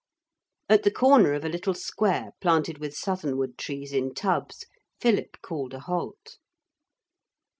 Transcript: At the corner of a little square planted with southernwood trees in tubs, Philip called a halt.